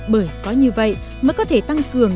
bởi có như vậy mới có thể tăng cường